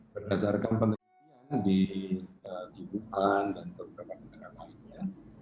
berdasarkan penelitian di wuhan dan beberapa negara lainnya